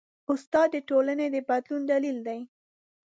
استاد د ټولنې د بدلون دلیل دی.